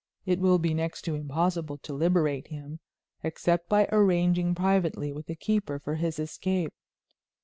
It will be next to impossible to liberate him, except by arranging privately with the keeper for his escape.